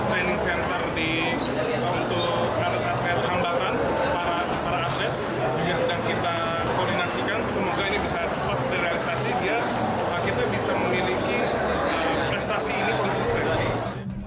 semoga ini bisa cepat direalisasi biar kita bisa memiliki prestasi ini konsisten